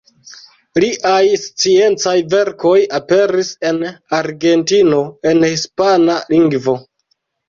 Liaj sciencaj verkoj aperis en Argentino en hispana lingvo.